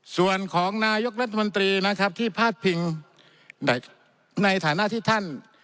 ส่วนของนายกรัฐมนตรีนะครับที่พาดพิงในฐานะที่ท่าน